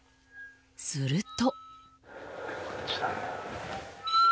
すると。